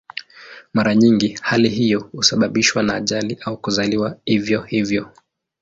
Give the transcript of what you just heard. Mara nyingi hali hiyo husababishwa na ajali au kuzaliwa hivyo hivyo.